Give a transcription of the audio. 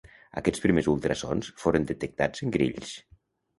Aquests primers ultrasons foren detectats en grills.